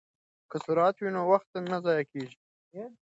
که سرعت وي نو وخت نه ضایع کیږي.